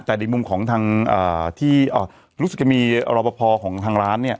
แต่ในมุมของทางที่รู้สึกจะมีรอปภของทางร้านเนี่ย